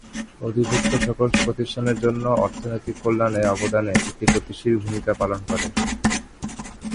অধিভুক্ত সকল প্রতিষ্ঠানের জন্য অর্থনৈতিক কল্যাণে অবদানে একটি গতিশীল ভূমিকা পালন করে।